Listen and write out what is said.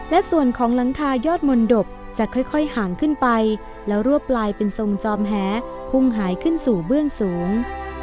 และส่วนของหลังคายอดมนตบจะค่อยห่างขึ้นไปแล้วรวบลายเป็นทรงจอมแหพุ่งหายขึ้นสู่เบื้องสูง